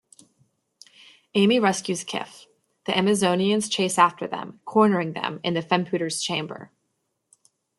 Amy rescues Kif; the Amazonians chase after them, cornering them in the Femputer's chamber.